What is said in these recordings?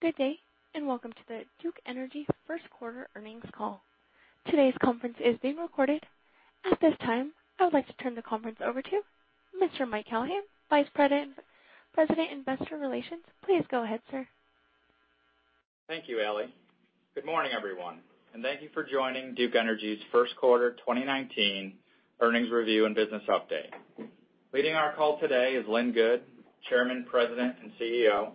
Good day. Welcome to the Duke Energy first quarter earnings call. Today's conference is being recorded. At this time, I would like to turn the conference over to Mr. Mike Callahan, Vice President, Investor Relations. Please go ahead, sir. Thank you, Ally. Good morning, everyone. Thank you for joining Duke Energy's first quarter 2019 earnings review and business update. Leading our call today is Lynn Good, Chairman, President, and CEO,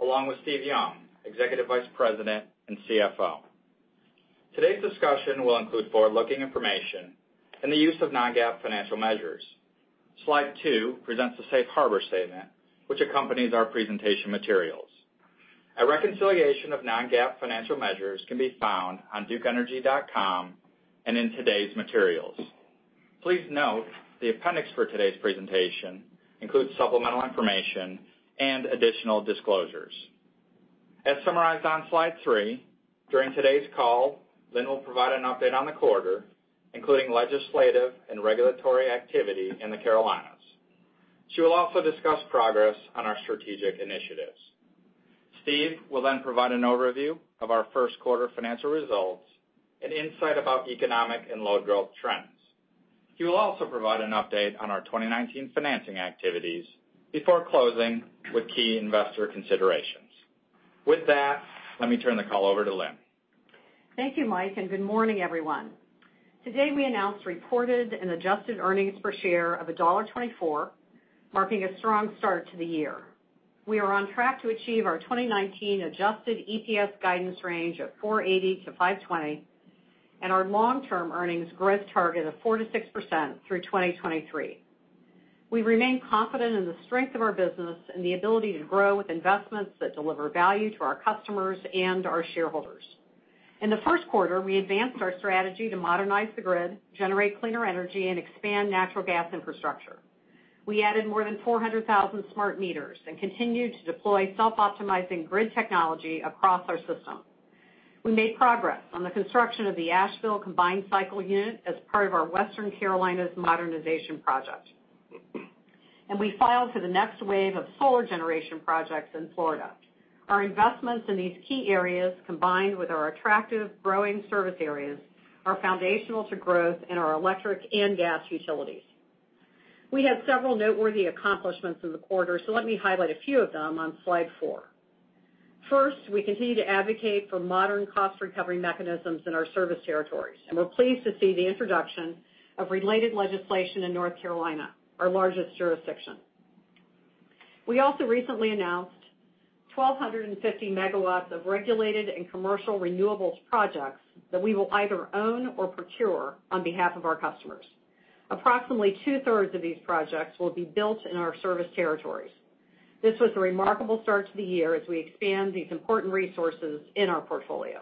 along with Steve Young, Executive Vice President and CFO. Today's discussion will include forward-looking information and the use of non-GAAP financial measures. Slide two presents the safe harbor statement, which accompanies our presentation materials. A reconciliation of non-GAAP financial measures can be found on duke-energy.com and in today's materials. Please note the appendix for today's presentation includes supplemental information and additional disclosures. As summarized on slide three, during today's call, Lynn will provide an update on the quarter, including legislative and regulatory activity in the Carolinas. She will also discuss progress on our strategic initiatives. Steve will provide an overview of our first quarter financial results and insight about economic and load growth trends. He will also provide an update on our 2019 financing activities before closing with key investor considerations. With that, let me turn the call over to Lynn. Thank you, Mike. Good morning, everyone. Today, we announced reported and adjusted earnings per share of $1.24, marking a strong start to the year. We are on track to achieve our 2019 adjusted EPS guidance range of $4.80 to $5.20 and our long-term earnings growth target of 4% to 6% through 2023. We remain confident in the strength of our business and the ability to grow with investments that deliver value to our customers and our shareholders. In the first quarter, we advanced our strategy to modernize the grid, generate cleaner energy, and expand natural gas infrastructure. We added more than 400,000 smart meters and continued to deploy self-optimizing grid technology across our system. We made progress on the construction of the Asheville combined cycle unit as part of our Western Carolinas Modernization Project. We filed for the next wave of solar generation projects in Florida. Our investments in these key areas, combined with our attractive growing service areas, are foundational to growth in our electric and gas utilities. We had several noteworthy accomplishments in the quarter, let me highlight a few of them on slide four. First, we continue to advocate for modern cost-recovery mechanisms in our service territories, and we're pleased to see the introduction of related legislation in North Carolina, our largest jurisdiction. We also recently announced 1,250 megawatts of regulated and commercial renewables projects that we will either own or procure on behalf of our customers. Approximately two-thirds of these projects will be built in our service territories. This was a remarkable start to the year as we expand these important resources in our portfolio.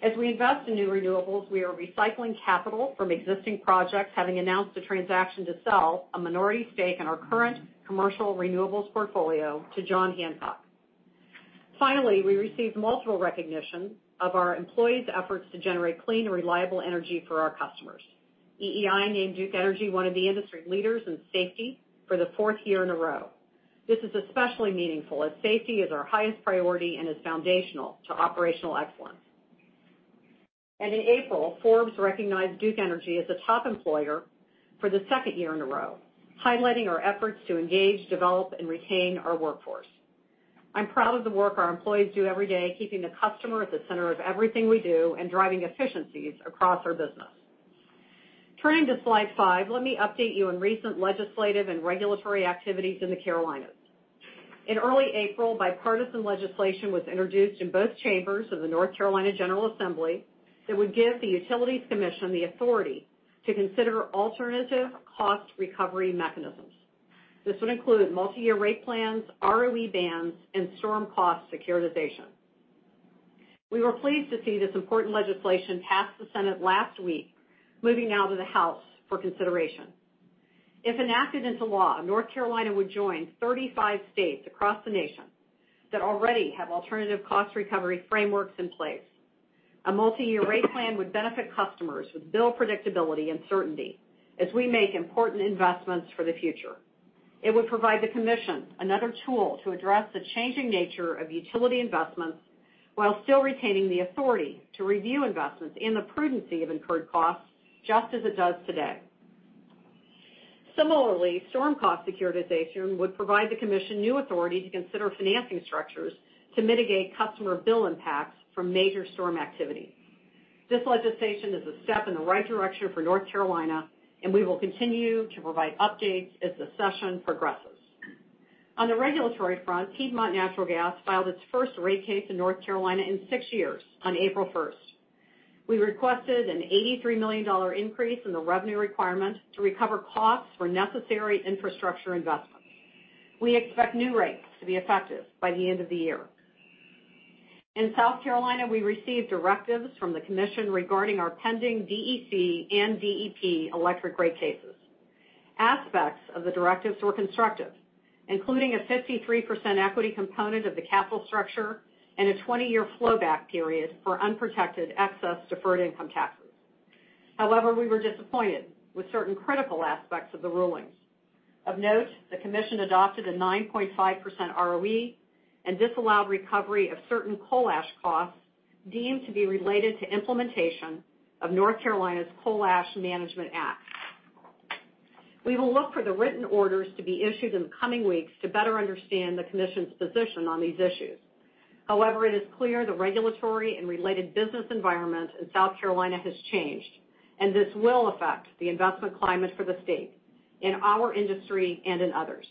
As we invest in new renewables, we are recycling capital from existing projects, having announced a transaction to sell a minority stake in our current commercial renewables portfolio to John Hancock. Finally, we received multiple recognition of our employees' efforts to generate clean and reliable energy for our customers. EEI named Duke Energy one of the industry leaders in safety for the fourth year in a row. This is especially meaningful as safety is our highest priority and is foundational to operational excellence. In April, Forbes recognized Duke Energy as a top employer for the second year in a row, highlighting our efforts to engage, develop, and retain our workforce. I'm proud of the work our employees do every day, keeping the customer at the center of everything we do and driving efficiencies across our business. Turning to slide five, let me update you on recent legislative and regulatory activities in the Carolinas. In early April, bipartisan legislation was introduced in both chambers of the North Carolina General Assembly that would give the North Carolina Utilities Commission the authority to consider alternative cost recovery mechanisms. This would include multi-year rate plans, ROE bands, and storm cost securitization. We were pleased to see this important legislation pass the Senate last week, moving now to the House for consideration. If enacted into law, North Carolina would join 35 states across the nation that already have alternative cost recovery frameworks in place. A multi-year rate plan would benefit customers with bill predictability and certainty as we make important investments for the future. It would provide the North Carolina Utilities Commission another tool to address the changing nature of utility investments while still retaining the authority to review investments in the prudency of incurred costs, just as it does today. Similarly, storm cost securitization would provide the North Carolina Utilities Commission new authority to consider financing structures to mitigate customer bill impacts from major storm activity. This legislation is a step in the right direction for North Carolina, and we will continue to provide updates as the session progresses. On the regulatory front, Piedmont Natural Gas filed its first rate case in North Carolina in six years on April 1st. We requested an $83 million increase in the revenue requirement to recover costs for necessary infrastructure investments. We expect new rates to be effective by the end of the year. In South Carolina, we received directives from the Public Service Commission regarding our pending DEC and DEP electric rate cases. Aspects of the directives were constructive, including a 53% equity component of the capital structure and a 20-year flow back period for unprotected excess deferred income tax. However, we were disappointed with certain critical aspects of the rulings. Of note, the commission adopted a 9.5% ROE and disallowed recovery of certain coal ash costs deemed to be related to implementation of North Carolina's Coal Ash Management Act. We will look for the written orders to be issued in the coming weeks to better understand the commission's position on these issues. However, it is clear the regulatory and related business environment in South Carolina has changed, and this will affect the investment climate for the state, in our industry and in others.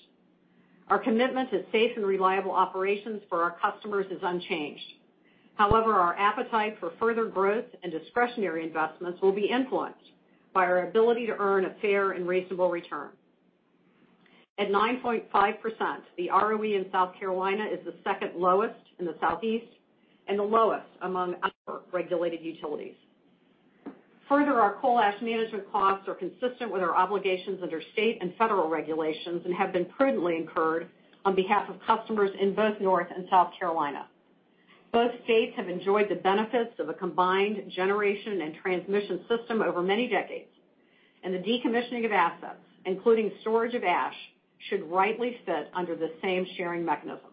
Our commitment to safe and reliable operations for our customers is unchanged. However, our appetite for further growth and discretionary investments will be influenced by our ability to earn a fair and reasonable return. At 9.5%, the ROE in South Carolina is the second lowest in the Southeast and the lowest among our regulated utilities. Further, our coal ash management costs are consistent with our obligations under state and federal regulations and have been prudently incurred on behalf of customers in both North and South Carolina. Both states have enjoyed the benefits of a combined generation and transmission system over many decades, and the decommissioning of assets, including storage of ash, should rightly fit under the same sharing mechanism.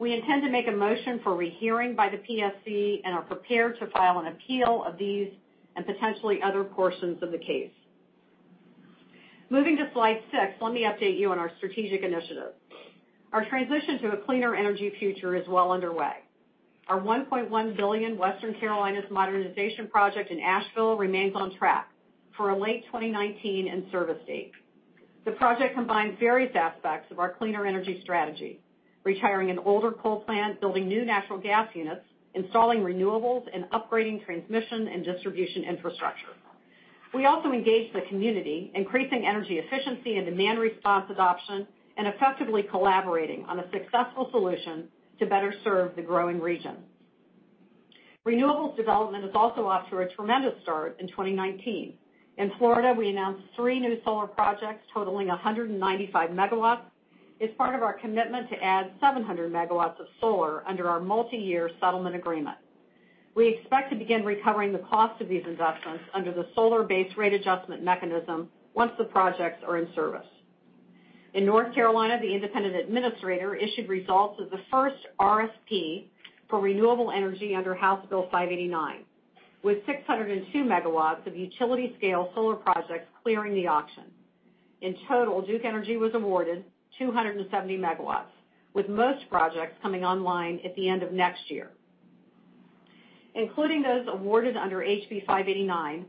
We intend to make a motion for rehearing by the PSC and are prepared to file an appeal of these and potentially other portions of the case. Moving to slide six, let me update you on our strategic initiatives. Our transition to a cleaner energy future is well underway. Our $1.1 billion Western Carolinas Modernization Project in Asheville remains on track for a late 2019 in-service date. The project combines various aspects of our cleaner energy strategy, retiring an older coal plant, building new natural gas units, installing renewables, and upgrading transmission and distribution infrastructure. We also engaged the community, increasing energy efficiency and demand response adoption, and effectively collaborating on a successful solution to better serve the growing region. Renewables development is also off to a tremendous start in 2019. In Florida, we announced three new solar projects totaling 195 megawatts as part of our commitment to add 700 megawatts of solar under our multi-year settlement agreement. We expect to begin recovering the cost of these investments under the solar base rate adjustment mechanism once the projects are in service. In North Carolina, the independent administrator issued results of the first RSP for renewable energy under House Bill 589, with 602 megawatts of utility-scale solar projects clearing the auction. In total, Duke Energy was awarded 270 megawatts, with most projects coming online at the end of next year. Including those awarded under HB 589,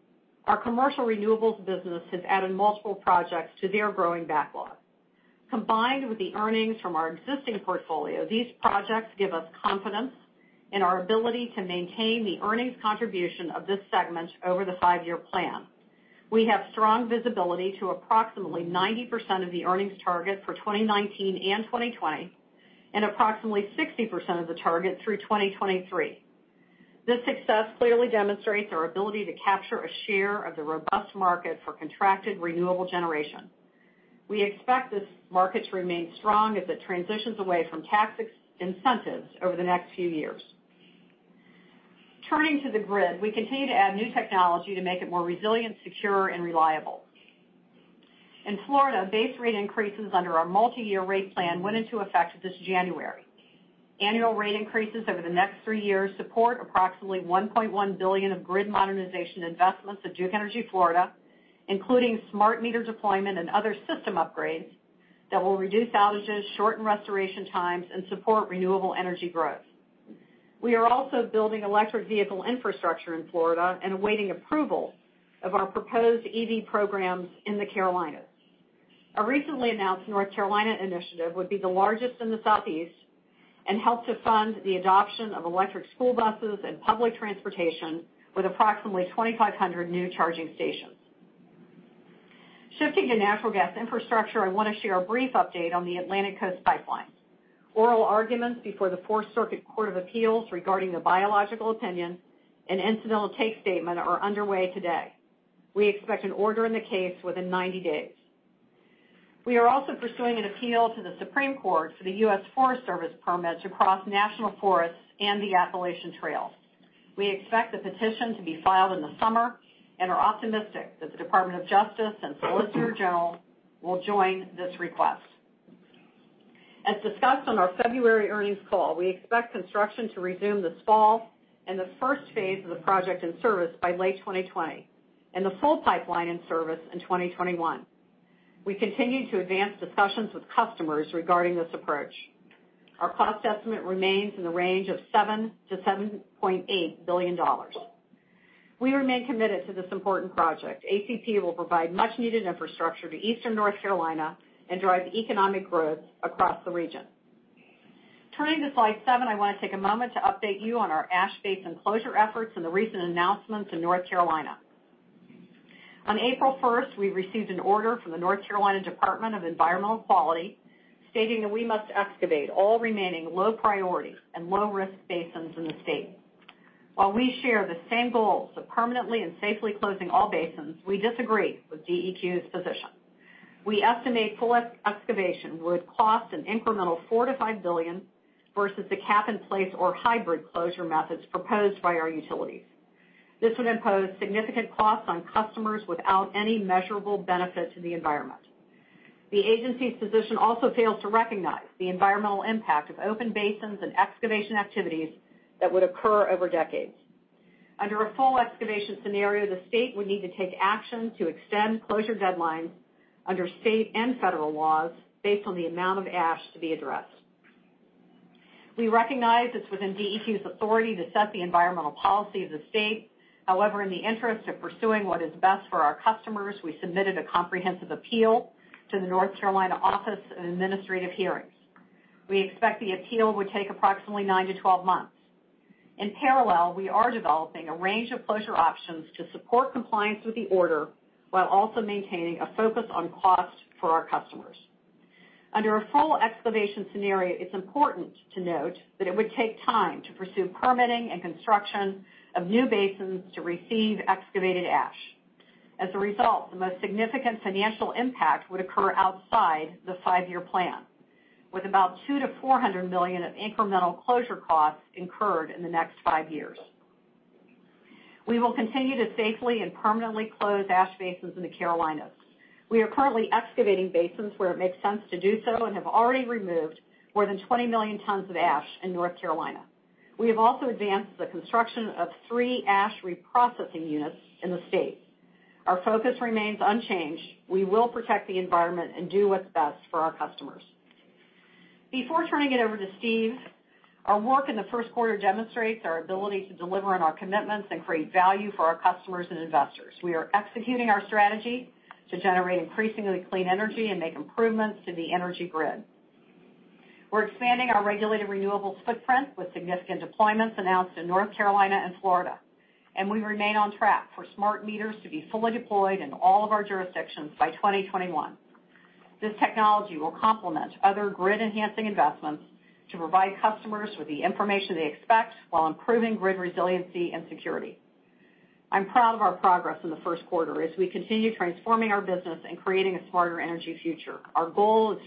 our commercial renewables business has added multiple projects to their growing backlog. Combined with the earnings from our existing portfolio, these projects give us confidence in our ability to maintain the earnings contribution of this segment over the five-year plan. We have strong visibility to approximately 90% of the earnings target for 2019 and 2020 and approximately 60% of the target through 2023. This success clearly demonstrates our ability to capture a share of the robust market for contracted renewable generation. We expect this market to remain strong as it transitions away from tax incentives over the next few years. Turning to the grid, we continue to add new technology to make it more resilient, secure, and reliable. In Florida, base rate increases under our multi-year rate plan went into effect this January. Annual rate increases over the next three years support approximately $1.1 billion of grid modernization investments at Duke Energy Florida, including smart meter deployment and other system upgrades that will reduce outages, shorten restoration times, and support renewable energy growth. We are also building electric vehicle infrastructure in Florida and awaiting approval of our proposed EV programs in the Carolinas. A recently announced North Carolina initiative would be the largest in the Southeast and help to fund the adoption of electric school buses and public transportation with approximately 2,500 new charging stations. Shifting to natural gas infrastructure, I want to share a brief update on the Atlantic Coast Pipeline. Oral arguments before the Fourth Circuit Court of Appeals regarding the biological opinion and Incidental Take Statement are underway today. We expect an order in the case within 90 days. We are also pursuing an appeal to the Supreme Court for the U.S. Forest Service permits across national forests and the Appalachian Trail. We expect the petition to be filed in the summer and are optimistic that the Department of Justice and Solicitor General will join this request. As discussed on our February earnings call, we expect construction to resume this fall and the first phase of the project in service by late 2020, and the full pipeline in service in 2021. We continue to advance discussions with customers regarding this approach. Our cost estimate remains in the range of $7 billion-$7.8 billion. We remain committed to this important project. ACP will provide much-needed infrastructure to Eastern North Carolina and drive economic growth across the region. Turning to slide seven, I want to take a moment to update you on our ash basin closure efforts and the recent announcements in North Carolina. On April 1st, we received an order from the North Carolina Department of Environmental Quality stating that we must excavate all remaining low-priority and low-risk basins in the state. While we share the same goals of permanently and safely closing all basins, we disagree with DEQ's position. We estimate full excavation would cost an incremental $4 billion-$5 billion versus the cap-in-place or hybrid closure methods proposed by our utilities. This would impose significant costs on customers without any measurable benefit to the environment. The agency's position also fails to recognize the environmental impact of open basins and excavation activities that would occur over decades. Under a full excavation scenario, the state would need to take action to extend closure deadlines under state and federal laws based on the amount of ash to be addressed. We recognize it's within DEQ's authority to set the environmental policy of the state. However, in the interest of pursuing what is best for our customers, we submitted a comprehensive appeal to the North Carolina Office of Administrative Hearings. We expect the appeal would take approximately nine to 12 months. In parallel, we are developing a range of closure options to support compliance with the order, while also maintaining a focus on cost for our customers. Under a full excavation scenario, it's important to note that it would take time to pursue permitting and construction of new basins to receive excavated ash. As a result, the most significant financial impact would occur outside the five-year plan, with about $200 million-$400 million of incremental closure costs incurred in the next five years. We will continue to safely and permanently close ash basins in the Carolinas. We are currently excavating basins where it makes sense to do so and have already removed more than 20 million tons of ash in North Carolina. We have also advanced the construction of three ash reprocessing units in the state. Our focus remains unchanged. We will protect the environment and do what's best for our customers. Before turning it over to Steve, our work in the first quarter demonstrates our ability to deliver on our commitments and create value for our customers and investors. We are executing our strategy to generate increasingly clean energy and make improvements to the energy grid. We're expanding our regulated renewables footprint with significant deployments announced in North Carolina and Florida, and we remain on track for smart meters to be fully deployed in all of our jurisdictions by 2021. This technology will complement other grid-enhancing investments to provide customers with the information they expect while improving grid resiliency and security. I'm proud of our progress in the first quarter as we continue transforming our business and creating a smarter energy future. Our goal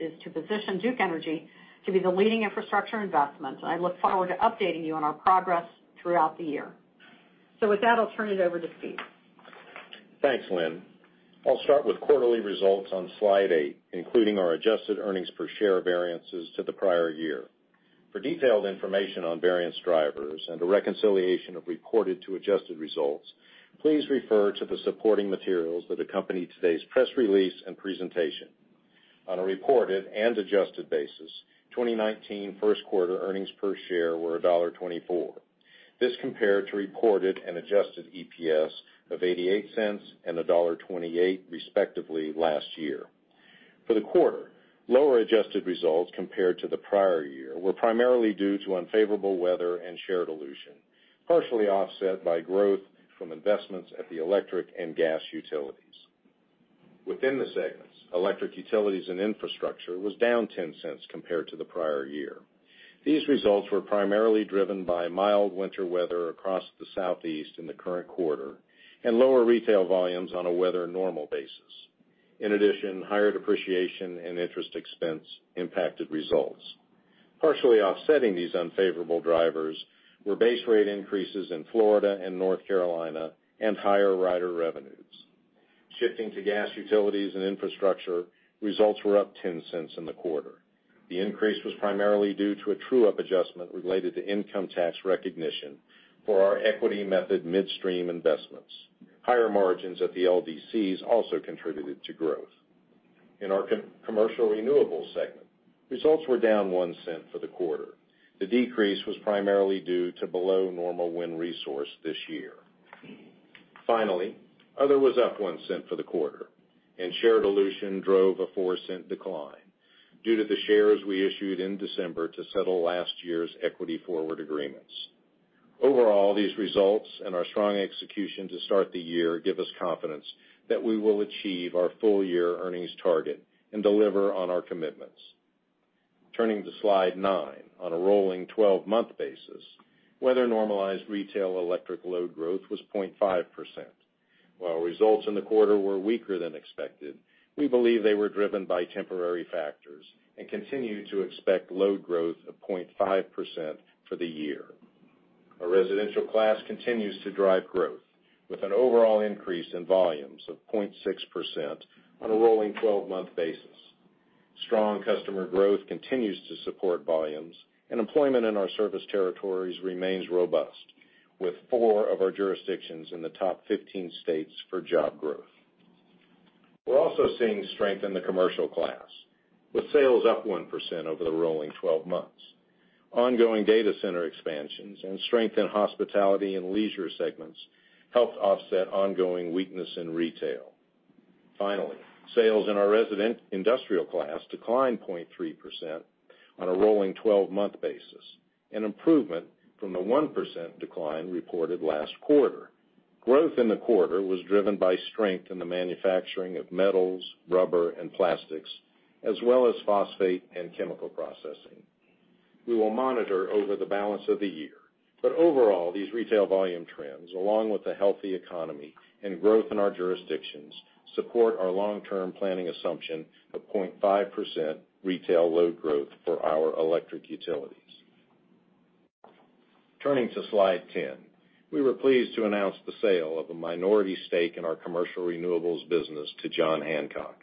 is to position Duke Energy to be the leading infrastructure investment. I look forward to updating you on our progress throughout the year. With that, I'll turn it over to Steve. Thanks, Lynn. I'll start with quarterly results on slide eight, including our adjusted earnings per share variances to the prior year. For detailed information on variance drivers and a reconciliation of reported to adjusted results, please refer to the supporting materials that accompany today's press release and presentation. On a reported and adjusted basis, 2019 first quarter earnings per share were $1.24. This compared to reported and adjusted EPS of $0.88 and $1.28, respectively, last year. For the quarter, lower adjusted results compared to the prior year were primarily due to unfavorable weather and shared dilution, partially offset by growth from investments at the electric and gas utilities. Within the segments, electric utilities and infrastructure was down $0.10 compared to the prior year. These results were primarily driven by mild winter weather across the Southeast in the current quarter and lower retail volumes on a weather normal basis. In addition, higher depreciation and interest expense impacted results. Partially offsetting these unfavorable drivers were base rate increases in Florida and North Carolina and higher rider revenues. Shifting to gas utilities and infrastructure, results were up $0.10 in the quarter. The increase was primarily due to a true-up adjustment related to income tax recognition for our equity method midstream investments. Higher margins at the LDCs also contributed to growth. In our commercial renewables segment, results were down $0.01 for the quarter. The decrease was primarily due to below normal wind resource this year. Finally, other was up $0.01 for the quarter, and shared dilution drove a $0.04 decline due to the shares we issued in December to settle last year's equity forward agreements. Overall, these results and our strong execution to start the year give us confidence that we will achieve our full year earnings target and deliver on our commitments. Turning to slide nine, on a rolling 12-month basis, weather-normalized retail electric load growth was 0.5%. While results in the quarter were weaker than expected, we believe they were driven by temporary factors and continue to expect load growth of 0.5% for the year. Our residential class continues to drive growth with an overall increase in volumes of 0.6% on a rolling 12-month basis. Strong customer growth continues to support volumes and employment in our service territories remains robust, with four of our jurisdictions in the top 15 states for job growth. We're also seeing strength in the commercial class, with sales up 1% over the rolling 12 months. Ongoing data center expansions and strength in hospitality and leisure segments helped offset ongoing weakness in retail. Finally, sales in our residential and industrial class declined 0.3% on a rolling 12-month basis, an improvement from the 1% decline reported last quarter. Growth in the quarter was driven by strength in the manufacturing of metals, rubber, and plastics, as well as phosphate and chemical processing. We will monitor over the balance of the year. Overall, these retail volume trends, along with the healthy economy and growth in our jurisdictions, support our long-term planning assumption of 0.5% retail load growth for our electric utilities. Turning to slide 10. We were pleased to announce the sale of a minority stake in our commercial renewables business to John Hancock.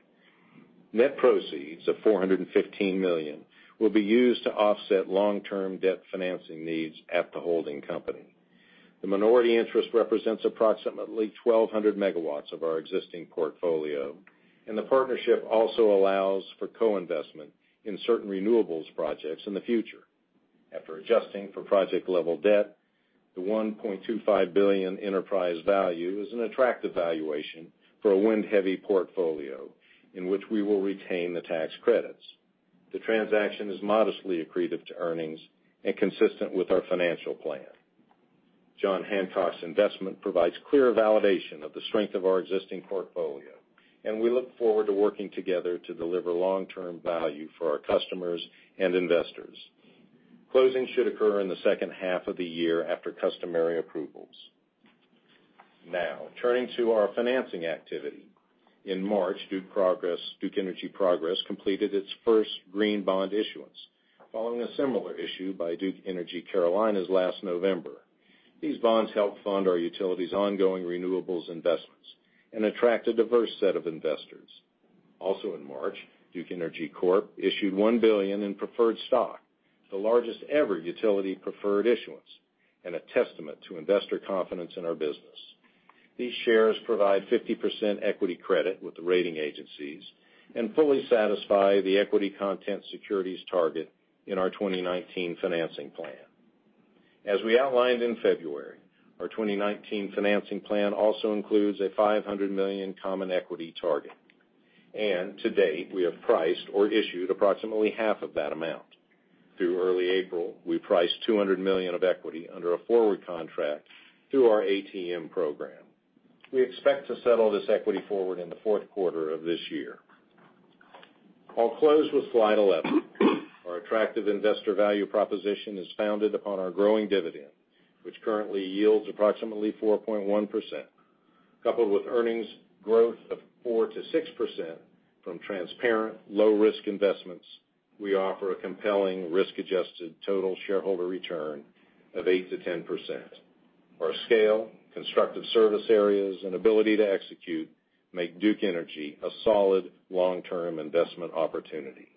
Net proceeds of $415 million will be used to offset long-term debt financing needs at the holding company. The minority interest represents approximately 1,200 megawatts of our existing portfolio, and the partnership also allows for co-investment in certain renewables projects in the future. After adjusting for project-level debt, the $1.25 billion enterprise value is an attractive valuation for a wind-heavy portfolio in which we will retain the tax credits. The transaction is modestly accretive to earnings and consistent with our financial plan. John Hancock's investment provides clear validation of the strength of our existing portfolio, and we look forward to working together to deliver long-term value for our customers and investors. Closing should occur in the second half of the year after customary approvals. Turning to our financing activity. In March, Duke Energy Progress completed its first green bond issuance, following a similar issue by Duke Energy Carolinas last November. These bonds help fund our utility's ongoing renewables investments and attract a diverse set of investors. In March, Duke Energy Corp issued $1 billion in preferred stock, the largest-ever utility preferred issuance and a testament to investor confidence in our business. These shares provide 50% equity credit with the rating agencies and fully satisfy the equity content securities target in our 2019 financing plan. As we outlined in February, our 2019 financing plan also includes a $500 million common equity target. To date, we have priced or issued approximately half of that amount. Through early April, we priced $200 million of equity under a forward contract through our ATM program. We expect to settle this equity forward in the fourth quarter of this year. I'll close with slide 11. Our attractive investor value proposition is founded upon our growing dividend, which currently yields approximately 4.1%, coupled with earnings growth of 4%-6% from transparent, low-risk investments. We offer a compelling risk-adjusted total shareholder return of 8%-10%. Our scale, constructive service areas, and ability to execute make Duke Energy a solid long-term investment opportunity.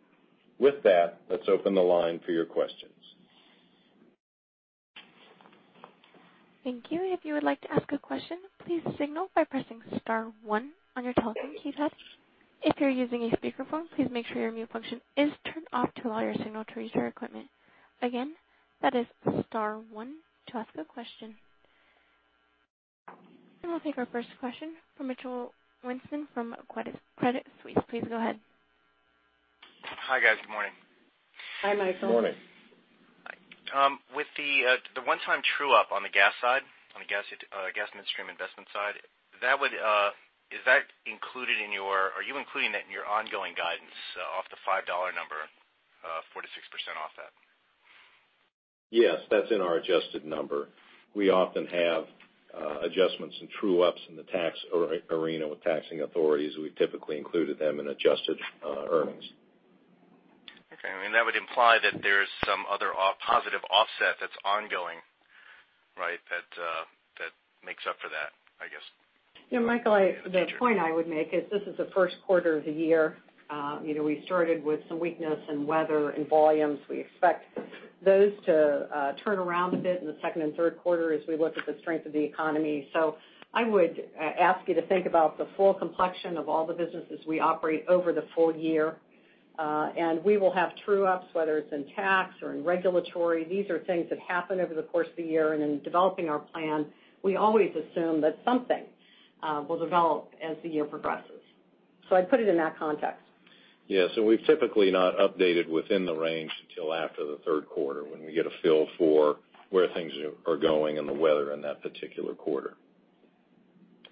With that, let's open the line for your questions. Thank you. If you would like to ask a question, please signal by pressing *1 on your telephone keypad. If you're using a speakerphone, please make sure your mute function is turned off to allow your signal to reach our equipment. Again, that is *1 to ask a question. We'll take our first question from Michael Weinstein from Credit Suisse. Please go ahead. Hi, guys. Good morning. Hi, Michael. Good morning. With the one-time true-up on the gas midstream investment side, are you including that in your ongoing guidance off the $5 number, 4% to 6% off that? Yes, that's in our adjusted number. We often have adjustments and true-ups in the tax arena with taxing authorities. We typically included them in adjusted earnings. Okay. That would imply that there's some other positive offset that's ongoing, right, that makes up for that, I guess. Yeah, Michael, the point I would make is this is the first quarter of the year. We started with some weakness in weather and volumes. We expect those to turn around a bit in the second and third quarter as we look at the strength of the economy. I would ask you to think about the full complexion of all the businesses we operate over the full year. We will have true-ups, whether it's in tax or in regulatory. These are things that happen over the course of the year. In developing our plan, we always assume that something will develop as the year progresses. I'd put it in that context. Yeah. We've typically not updated within the range until after the third quarter when we get a feel for where things are going and the weather in that particular quarter.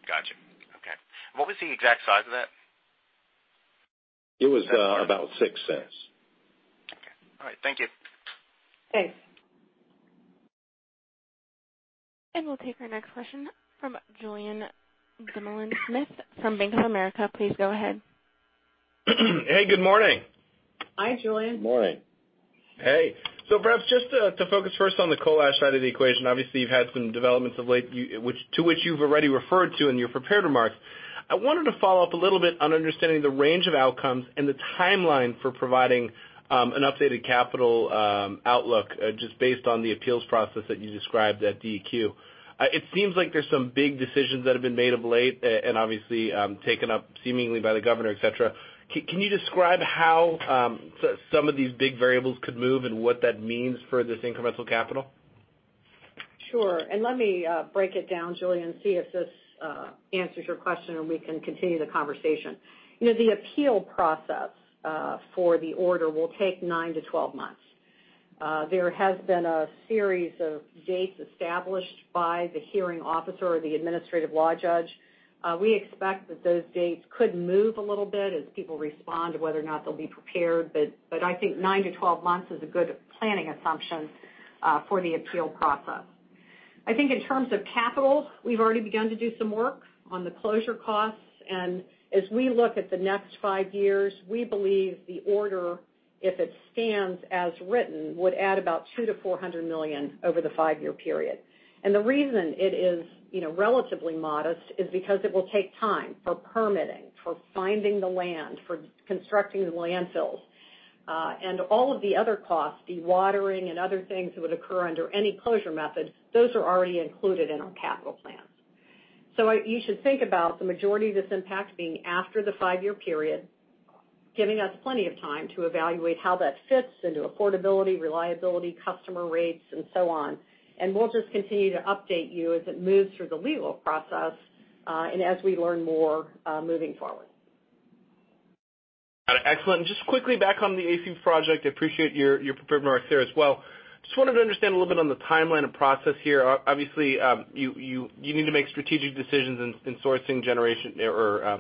Got you. Okay. What was the exact size of that? It was about $0.06. Okay. All right. Thank you. Thanks. We'll take our next question from Julien Dumoulin-Smith from Bank of America. Please go ahead. Hey, good morning. Hi, Julien. Morning. Hey. Perhaps just to focus first on the coal ash side of the equation. Obviously, you've had some developments of late to which you've already referred to in your prepared remarks. I wanted to follow up a little bit on understanding the range of outcomes and the timeline for providing an updated capital outlook, just based on the appeals process that you described at DEQ. It seems like there's some big decisions that have been made of late and obviously taken up seemingly by the governor, et cetera. Can you describe how some of these big variables could move and what that means for this incremental capital? Sure. Let me break it down, Julien, see if this answers your question, and we can continue the conversation. The appeal process for the order will take 9 to 12 months. There has been a series of dates established by the hearing officer or the administrative law judge. We expect that those dates could move a little bit as people respond to whether or not they'll be prepared. I think 9 to 12 months is a good planning assumption for the appeal process. I think in terms of capital, we've already begun to do some work on the closure costs. As we look at the next five years, we believe the order, if it stands as written, would add about $200 million to $400 million over the five-year period. The reason it is relatively modest is because it will take time for permitting, for finding the land, for constructing the landfills. All of the other costs, dewatering and other things that would occur under any closure method, those are already included in our capital plans. You should think about the majority of this impact being after the five-year period, giving us plenty of time to evaluate how that fits into affordability, reliability, customer rates, and so on. We'll just continue to update you as it moves through the legal process, and as we learn more, moving forward. Got it. Excellent. Just quickly back on the AC project, I appreciate your preparedness there as well. Just wanted to understand a little bit on the timeline and process here. Obviously, you need to make strategic decisions in sourcing generation or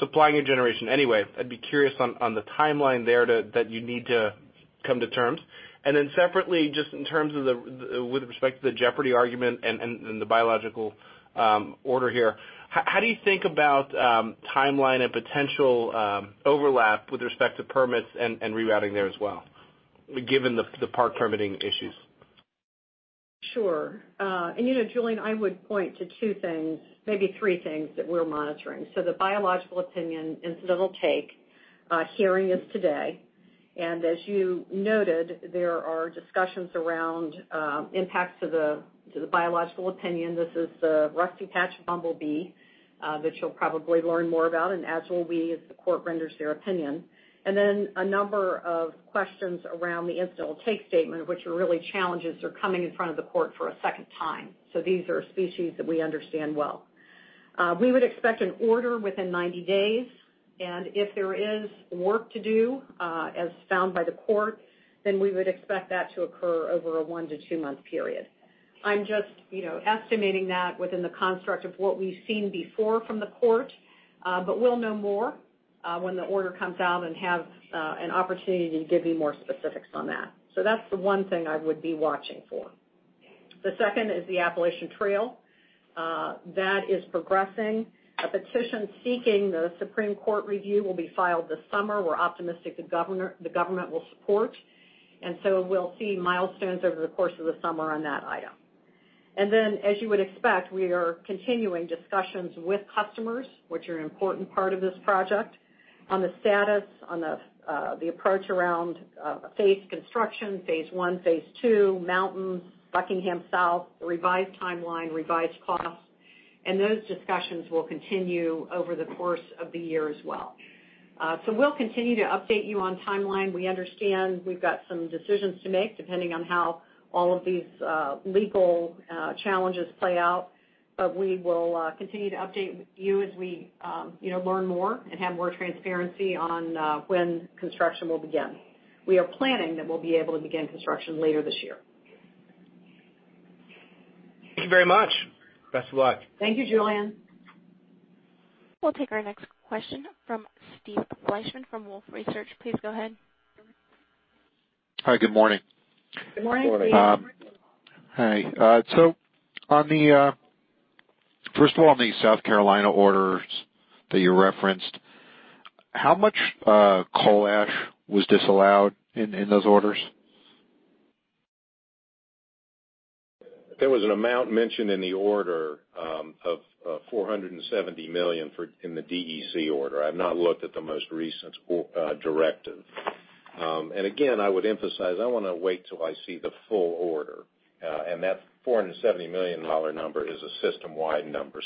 supplying your generation anyway. I'd be curious on the timeline there that you need to come to terms. Then separately, just in terms of with respect to the jeopardy argument and the biological order here, how do you think about timeline and potential overlap with respect to permits and rerouting there as well, given the park permitting issues? Sure. Julien, I would point to two things, maybe three things that we're monitoring. The biological opinion, incidental take hearing is today. As you noted, there are discussions around impacts to the biological opinion. This is the rusty patched bumblebee, that you'll probably learn more about, and as will we, as the court renders their opinion. Then a number of questions around the Incidental Take Statement, which are really challenges are coming in front of the court for a second time. These are species that we understand well. We would expect an order within 90 days, and if there is work to do, as found by the court, then we would expect that to occur over a one-to-two-month period. I'm just estimating that within the construct of what we've seen before from the court. We'll know more, when the order comes out and have an opportunity to give you more specifics on that. That's the one thing I would be watching for. The second is the Appalachian Trail. That is progressing. A petition seeking the Supreme Court review will be filed this summer. We're optimistic the government will support, we'll see milestones over the course of the summer on that item. As you would expect, we are continuing discussions with customers, which are an important part of this project, on the status, on the approach around phase construction, phase 1, phase 2, mountains, Buckingham South, revised timeline, revised costs, and those discussions will continue over the course of the year as well. We'll continue to update you on timeline. We understand we've got some decisions to make depending on how all of these legal challenges play out. We will continue to update you as we learn more and have more transparency on when construction will begin. We are planning that we'll be able to begin construction later this year. Thank you very much. Best of luck. Thank you, Julien. We'll take our next question from Steve Fleishman from Wolfe Research. Please go ahead. Hi, good morning. Good morning, Steve. Hi. First of all, on the South Carolina orders that you referenced, how much coal ash was disallowed in those orders? There was an amount mentioned in the order of $470 million in the DEC order. I've not looked at the most recent directive. Again, I would emphasize, I want to wait till I see the full order. That $470 million number is a system-wide number.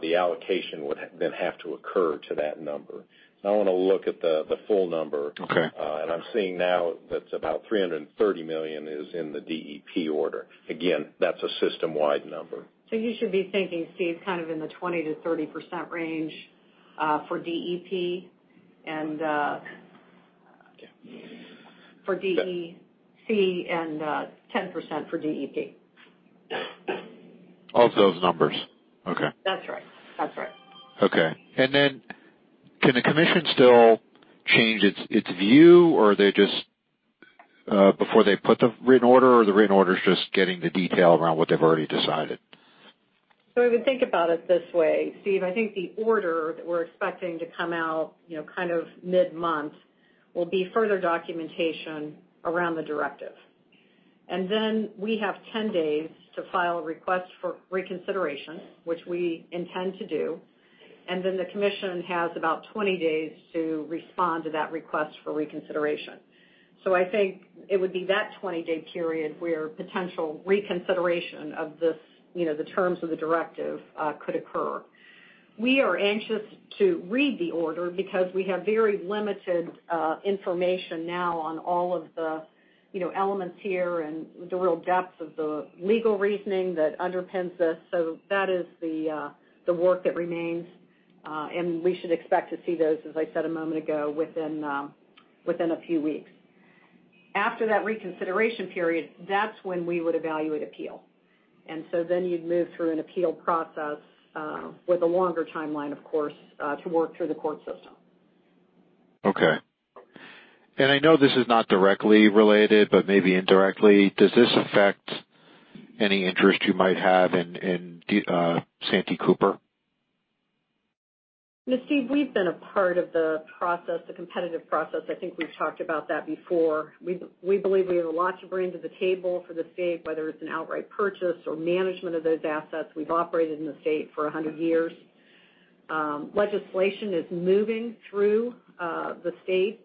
The allocation would then have to occur to that number. I want to look at the full number. Okay. I'm seeing now that about $330 million is in the DEP order. Again, that's a system-wide number. You should be thinking, Steve, kind of in the 20%-30% range, for DEC and 10% for DEP. Of those numbers? Okay. That's right. Okay. Can the Commission still change its view before they put the written order, or the written order is just getting the detail around what they've already decided? I would think about it this way, Steve. I think the order that we're expecting to come out mid-month will be further documentation around the directive. We have 10 days to file a request for reconsideration, which we intend to do, and then the Commission has about 20 days to respond to that request for reconsideration. I think it would be that 20-day period where potential reconsideration of the terms of the directive could occur. We are anxious to read the order because we have very limited information now on all of the elements here and the real depth of the legal reasoning that underpins this. That is the work that remains. We should expect to see those, as I said a moment ago, within a few weeks. After that reconsideration period, that's when we would evaluate appeal. You'd move through an appeal process, with a longer timeline of course, to work through the court system. Okay. I know this is not directly related, but maybe indirectly, does this affect any interest you might have in Santee Cooper? Steve, we've been a part of the process, the competitive process. I think we've talked about that before. We believe we have a lot to bring to the table for the state, whether it's an outright purchase or management of those assets. We've operated in the state for 100 years. Legislation is moving through the state,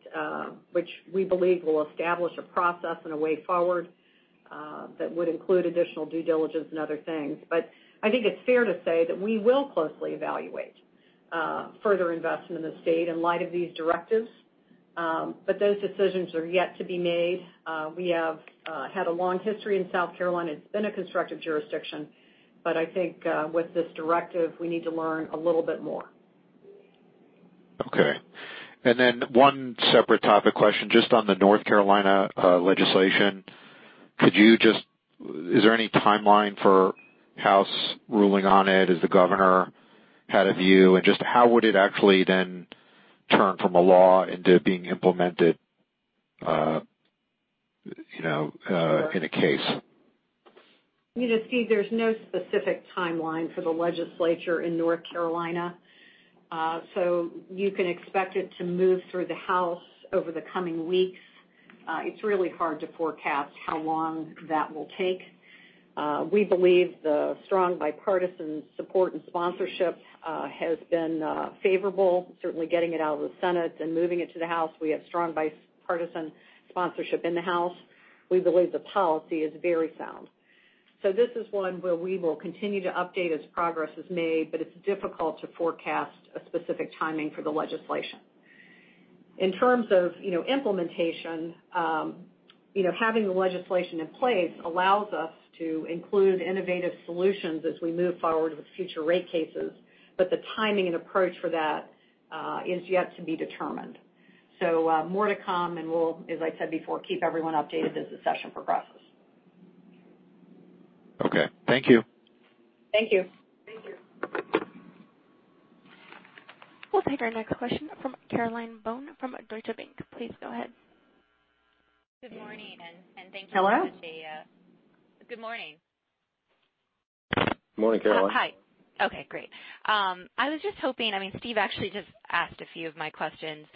which we believe will establish a process and a way forward that would include additional due diligence and other things. I think it's fair to say that we will closely evaluate further investment in the state in light of these directives, but those decisions are yet to be made. We have had a long history in South Carolina. It's been a constructive jurisdiction, but I think with this directive, we need to learn a little bit more. Okay. One separate topic question, just on the North Carolina legislation. Is there any timeline for House ruling on it? Has the governor had a view? Just how would it actually then turn from a law into being implemented in a case? Steve, there's no specific timeline for the legislature in North Carolina. You can expect it to move through the House over the coming weeks. It's really hard to forecast how long that will take. We believe the strong bipartisan support and sponsorship has been favorable, certainly getting it out of the Senate and moving it to the House. We have strong bipartisan sponsorship in the House. We believe the policy is very sound. This is one where we will continue to update as progress is made, but it's difficult to forecast a specific timing for the legislation. In terms of implementation, having the legislation in place allows us to include innovative solutions as we move forward with future rate cases, but the timing and approach for that is yet to be determined. More to come, and we'll, as I said before, keep everyone updated as the session progresses. Okay. Thank you. Thank you. Thank you. We'll take our next question from Caroline Bone from Deutsche Bank. Please go ahead. Good morning. Thank you so much. Hello? Good morning. Morning, Caroline. Hi. Okay, great. I was just hoping, Steve actually just asked a few of my questions.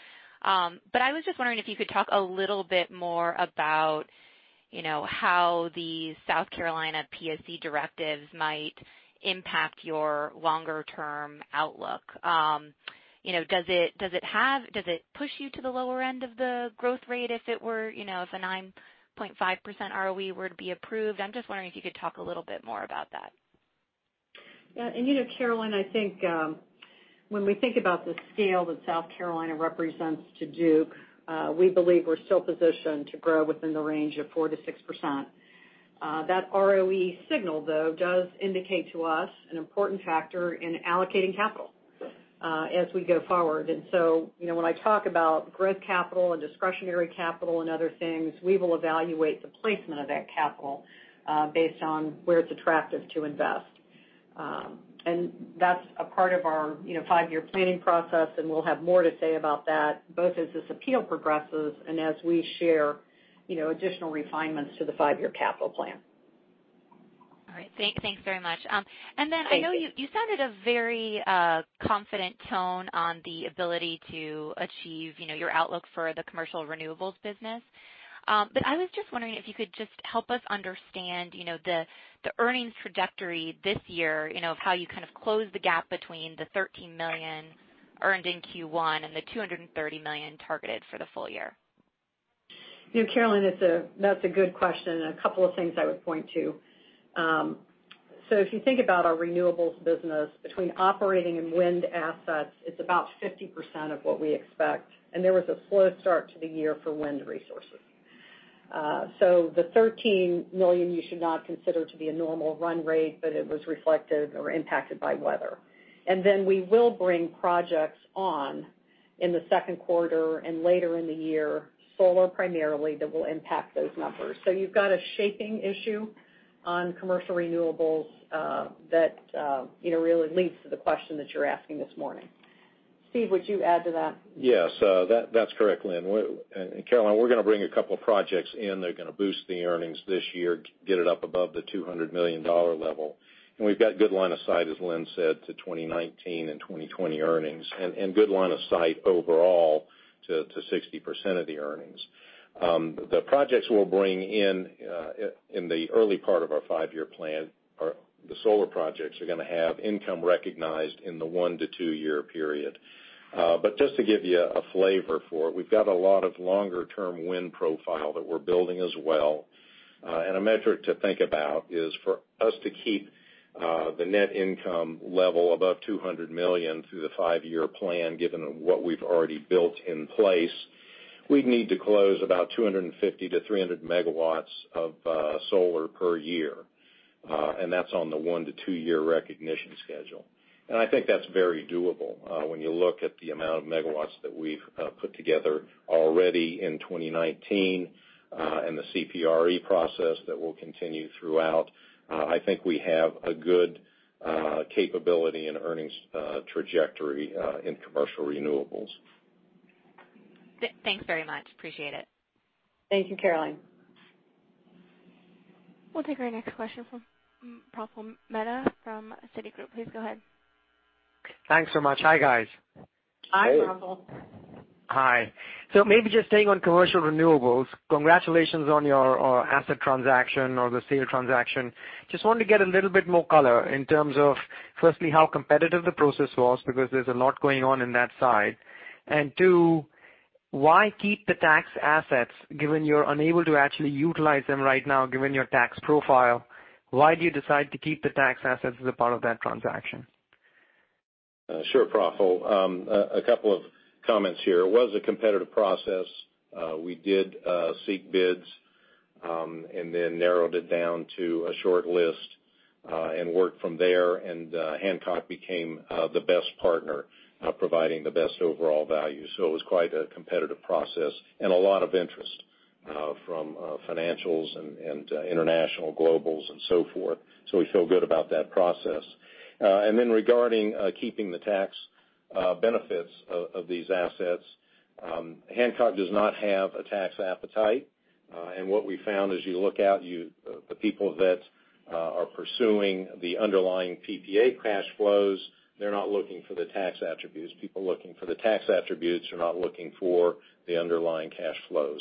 I was just wondering if you could talk a little bit more about how the South Carolina Public Service Commission directives might impact your longer-term outlook. Does it push you to the lower end of the growth rate if a 9.5% ROE were to be approved? I'm just wondering if you could talk a little bit more about that. Yeah. Caroline, I think when we think about the scale that South Carolina represents to Duke, we believe we're still positioned to grow within the range of 4%-6%. That ROE signal, though, does indicate to us an important factor in allocating capital as we go forward. When I talk about growth capital and discretionary capital and other things, we will evaluate the placement of that capital based on where it's attractive to invest. That's a part of our five-year planning process, and we'll have more to say about that, both as this appeal progresses and as we share additional refinements to the five-year capital plan. All right. Thanks very much. Thank you. I know you sounded a very confident tone on the ability to achieve your outlook for the commercial renewables business. I was just wondering if you could just help us understand the earnings trajectory this year, of how you kind of close the gap between the $13 million earned in Q1 and the $230 million targeted for the full year. Caroline, that's a good question, a couple of things I would point to. If you think about our renewables business, between operating and wind assets, it's about 50% of what we expect. There was a slow start to the year for wind resources. The $13 million you should not consider to be a normal run rate, but it was reflective or impacted by weather. We will bring projects on in the second quarter and later in the year, solar primarily, that will impact those numbers. You've got a shaping issue on commercial renewables that really leads to the question that you're asking this morning. Steve, would you add to that? Yes. That's correct, Lynn. Caroline, we're going to bring a couple of projects in that are going to boost the earnings this year, get it up above the $200 million level. We've got good line of sight, as Lynn said, to 2019 and 2020 earnings, good line of sight overall to 60% of the earnings. The projects we'll bring in in the early part of our five-year plan are the solar projects are going to have income recognized in the one-to-two-year period. Just to give you a flavor for it, we've got a lot of longer-term wind profile that we're building as well. A metric to think about is for us to keep the net income level above $200 million through the five-year plan, given what we've already built in place, we'd need to close about 250-300 megawatts of solar per year. That's on the one-to-two-year recognition schedule. I think that's very doable when you look at the amount of megawatts that we've put together already in 2019, the CPRE process that will continue throughout. I think we have a good capability and earnings trajectory in commercial renewables. Thanks very much. Appreciate it. Thank you, Caroline. We'll take our next question from Praful Mehta from Citigroup. Please go ahead. Thanks so much. Hi, guys. Hi, Praful. Hi. Maybe just staying on commercial renewables, congratulations on your asset transaction or the sale transaction. Just wanted to get a little bit more color in terms of, firstly, how competitive the process was, because there's a lot going on in that side. And two, why keep the tax assets given you're unable to actually utilize them right now, given your tax profile? Why do you decide to keep the tax assets as a part of that transaction? Sure, Praful. A couple of comments here. It was a competitive process. We did seek bids, then narrowed it down to a short list, and worked from there. Hancock became the best partner, providing the best overall value. It was quite a competitive process and a lot of interest from financials and international globals and so forth. We feel good about that process. Then regarding keeping the tax benefits of these assets, Hancock does not have a tax appetite. What we found as you look out, the people that are pursuing the underlying PPA cash flows, they're not looking for the tax attributes. People looking for the tax attributes are not looking for the underlying cash flows.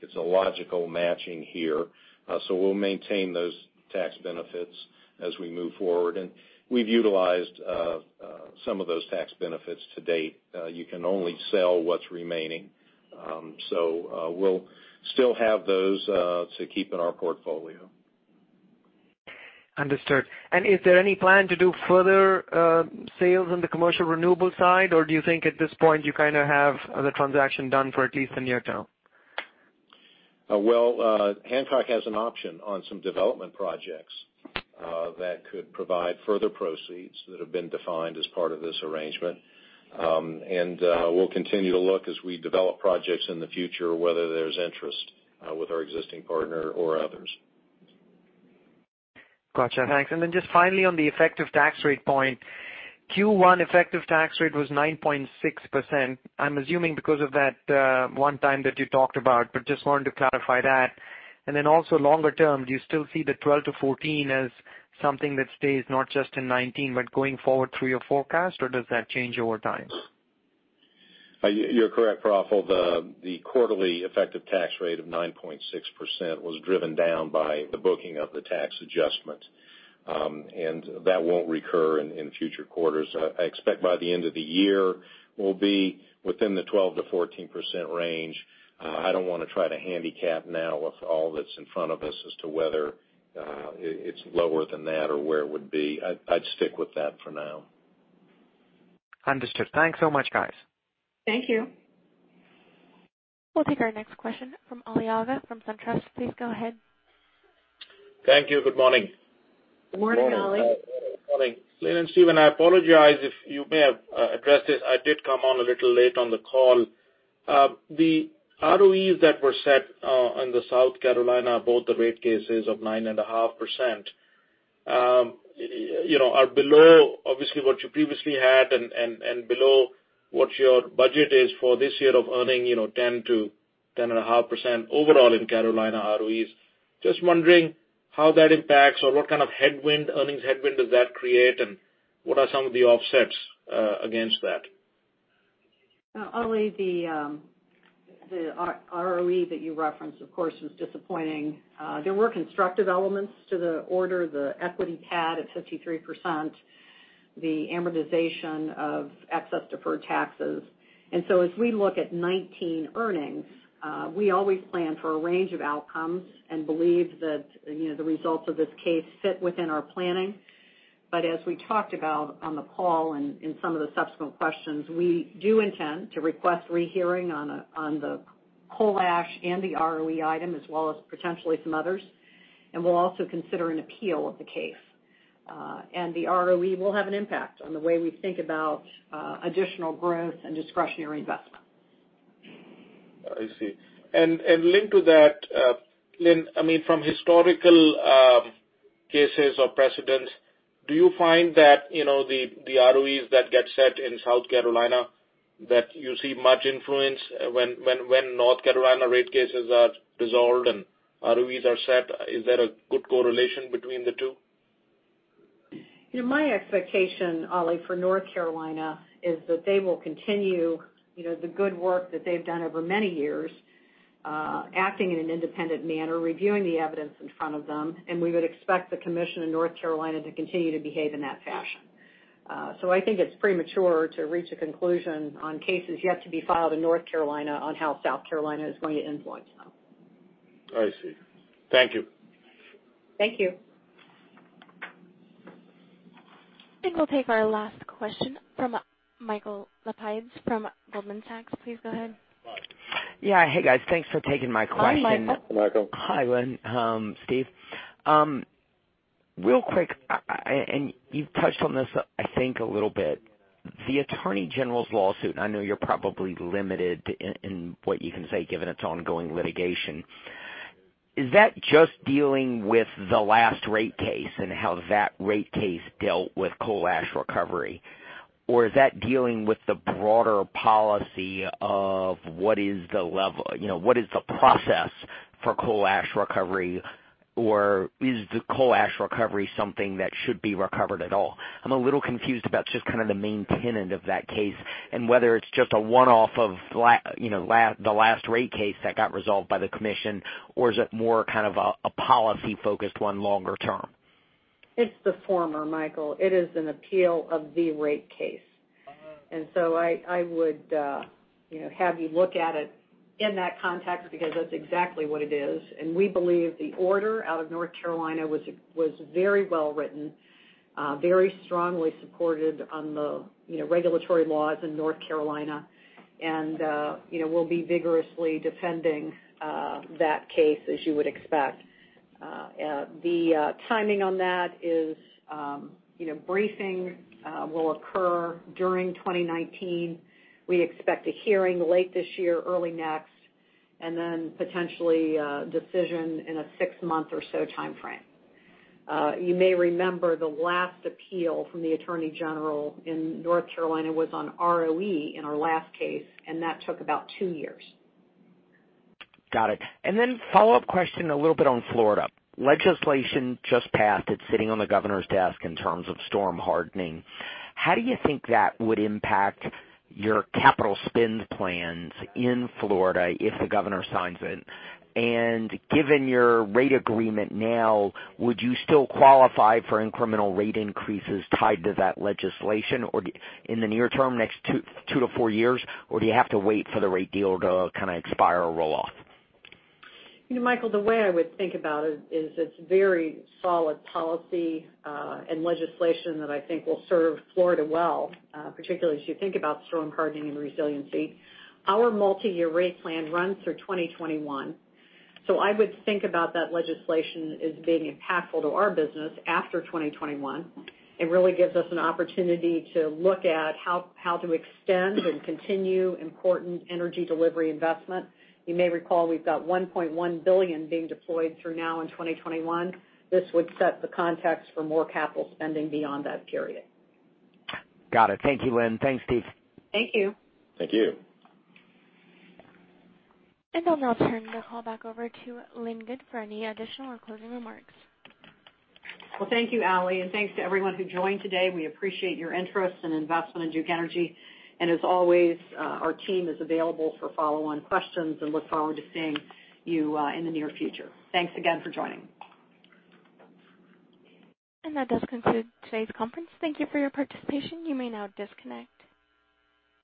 It's a logical matching here. We'll maintain those tax benefits as we move forward. We've utilized some of those tax benefits to date. You can only sell what's remaining. We'll still have those to keep in our portfolio. Understood. Is there any plan to do further sales on the commercial renewable side, or do you think at this point you kind of have the transaction done for at least the near term? Well, Hancock has an option on some development projects that could provide further proceeds that have been defined as part of this arrangement. We'll continue to look as we develop projects in the future, whether there's interest with our existing partner or others. Gotcha. Thanks. Just finally on the effective tax rate point, Q1 effective tax rate was 9.6%. I'm assuming because of that one time that you talked about, but just wanted to clarify that. Also longer term, do you still see the 12%-14% as something that stays not just in 2019, but going forward through your forecast, or does that change over time? You're correct, Praful. The quarterly effective tax rate of 9.6% was driven down by the booking of the tax adjustment. That won't recur in future quarters. I expect by the end of the year, we'll be within the 12%-14% range. I don't want to try to handicap now with all that's in front of us as to whether it's lower than that or where it would be. I'd stick with that for now. Understood. Thanks so much, guys. Thank you. We'll take our next question from Ali Agha from SunTrust. Please go ahead. Thank you. Good morning. Morning, Ali. Morning. Lynn and Steve, I apologize if you may have addressed this. I did come on a little late on the call. The ROEs that were set in the South Carolina, both the rate cases of 9.5% are below, obviously, what you previously had and below what your budget is for this year of earning 10%-10.5% overall in Carolina ROEs. Just wondering how that impacts or what kind of earnings headwind does that create, and what are some of the offsets against that? Ali, the ROE that you referenced, of course, was disappointing. There were constructive elements to the order, the equity cap at 53%, the amortization of excess deferred taxes. As we look at 2019 earnings, we always plan for a range of outcomes and believe that the results of this case fit within our planning. As we talked about on the call and in some of the subsequent questions, we do intend to request rehearing on the coal ash and the ROE item, as well as potentially some others. We'll also consider an appeal of the case. The ROE will have an impact on the way we think about additional growth and discretionary investment. I see. Linked to that, Lynn, from historical cases or precedents, do you find that the ROEs that get set in South Carolina, that you see much influence when North Carolina rate cases are dissolved and ROEs are set? Is there a good correlation between the two? My expectation, Ali, for North Carolina is that they will continue the good work that they've done over many years, acting in an independent manner, reviewing the evidence in front of them, and we would expect the commission in North Carolina to continue to behave in that fashion. I think it's premature to reach a conclusion on cases yet to be filed in North Carolina on how South Carolina is going to influence them. I see. Thank you. Thank you. I think we'll take our last question from Michael Lapides from Goldman Sachs. Please go ahead. Yeah. Hey, guys. Thanks for taking my question. Hi, Michael. Michael. Hi, Lynn, Steve. Real quick, you've touched on this I think a little bit. The attorney general's lawsuit, I know you're probably limited in what you can say given it's ongoing litigation. Is that just dealing with the last rate case and how that rate case dealt with coal ash recovery? Is that dealing with the broader policy of what is the process for coal ash recovery? Is the coal ash recovery something that should be recovered at all? I'm a little confused about just kind of the main tenet of that case and whether it's just a one-off of the last rate case that got resolved by the commission, or is it more kind of a policy-focused one longer term? It's the former, Michael. It is an appeal of the rate case. I would have you look at it in that context because that's exactly what it is, and we believe the order out of North Carolina was very well written, very strongly supported on the regulatory laws in North Carolina, and we will be vigorously defending that case, as you would expect. The timing on that is briefing will occur during 2019. We expect a hearing late this year, early next, and then potentially a decision in a six-month or so timeframe. You may remember the last appeal from the attorney general in North Carolina was on ROE in our last case, and that took about two years. Got it. A follow-up question a little bit on Florida. Legislation just passed. It's sitting on the governor's desk in terms of storm hardening. How do you think that would impact your capital spend plans in Florida if the governor signs it? Given your rate agreement now, would you still qualify for incremental rate increases tied to that legislation in the near term, next two to four years? Or do you have to wait for the rate deal to kind of expire or roll off? Michael, the way I would think about it is it's very solid policy and legislation that I think will serve Florida well, particularly as you think about storm hardening and resiliency. Our multi-year rate plan runs through 2021. I would think about that legislation as being impactful to our business after 2021. It really gives us an opportunity to look at how to extend and continue important energy delivery investment. You may recall we've got $1.1 billion being deployed through now in 2021. This would set the context for more capital spending beyond that period. Got it. Thank you, Lynn. Thanks, Steve. Thank you. Thank you. I'll now turn the call back over to Lynn Good for any additional or closing remarks. Well, thank you, Ally, and thanks to everyone who joined today. We appreciate your interest and investment in Duke Energy, and as always, our team is available for follow-on questions and look forward to seeing you in the near future. Thanks again for joining. That does conclude today's conference. Thank you for your participation. You may now disconnect.